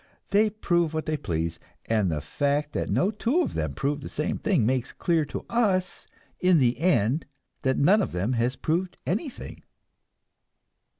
They prove what they please, and the fact that no two of them prove the same thing makes clear to us in the end that none of them has proved anything.